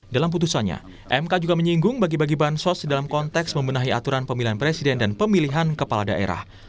dalam putusannya mk juga menyinggung bagi bagi bansos dalam konteks membenahi aturan pemilihan presiden dan pemilihan kepala daerah